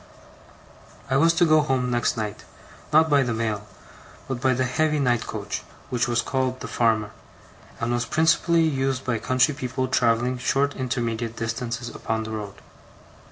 I was to go home next night; not by the mail, but by the heavy night coach, which was called the Farmer, and was principally used by country people travelling short intermediate distances upon the road.